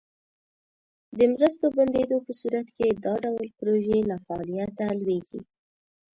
د مرستو بندیدو په صورت کې دا ډول پروژې له فعالیته لویږي.